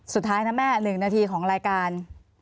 สุดท้ายนะแม่๑นาทีของรายการ